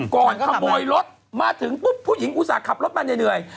ก่อนขโมยรถมาถึงปุ๊บผู้หญิงอุตส่าห์ขับรถมาเหนื่อย